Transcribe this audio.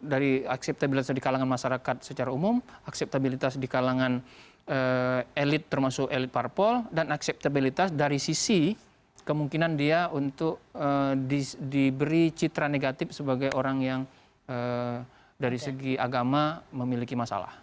dari akseptabilitas dari kalangan masyarakat secara umum akseptabilitas di kalangan elit termasuk elit parpol dan akseptabilitas dari sisi kemungkinan dia untuk diberi citra negatif sebagai orang yang dari segi agama memiliki masalah